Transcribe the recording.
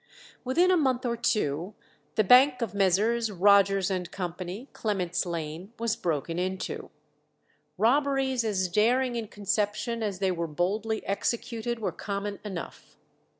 Within a month or two the bank of Messrs. Rogers and Co., Clement's Lane, was broken into. Robberies as daring in conception as they were boldly executed were common enough.